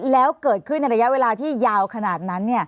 แล้วเกิดขึ้นในระยะเวลาที่ยาวขนาดนั้น